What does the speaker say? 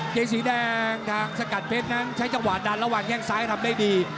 เกงสีแดงทางสกัดเพชรนั้นใช้จังหวะดันระหว่างแข้งซ้ายทำได้ดี